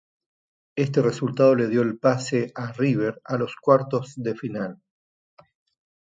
Este resultado le dio el pase a River a los cuartos de final.